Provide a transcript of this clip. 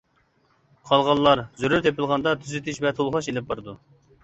قالغانلار زۆرۈر تېپىلغاندا تۈزىتىش ۋە تولۇقلاش ئېلىپ بارىدۇ.